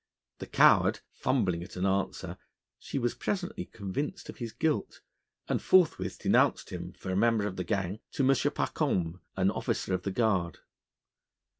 The coward fumbling at an answer, she was presently convinced of his guilt, and forthwith denounced him for a member of the gang to M. Pacome, an officer of the Guard.